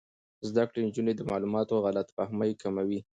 زده کړې نجونې د معلوماتو غلط فهمۍ کموي.